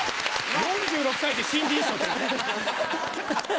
４６歳で新人賞ってね。